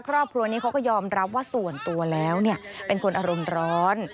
ครอบครัวนี้เขาก็ยอมรับว่าส่วนตัวแล้วเป็นคนอารมณ์ร้อน